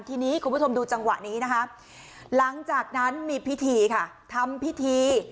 ทีนี้คุณผู้ชมดูจังหวะนี้นะคะหลังจากนั้นมีพิธีค่ะทำพิธี